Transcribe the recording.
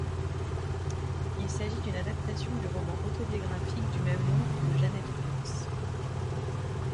Il s'agit d'une adaptation du roman autobiographique du même nom de Jeannette Walls.